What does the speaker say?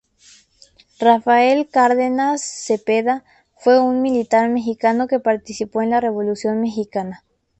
Rafael Cárdenas Zepeda fue un militar mexicano que participó en la Revolución mexicana.